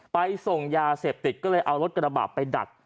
ไปส่งยาเสพติดก็เลยเอารถกระบะไปดัก